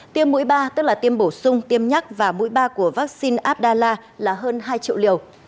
tiêm mũi ba tức là tiêm bổ sung tiêm nhắc và mũi ba của vaccine abdallah là hơn hai triệu liều